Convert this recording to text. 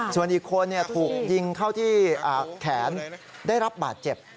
ส่วนอีกคนถูกยิงเข้าที่แขนได้รับบาดเจ็บ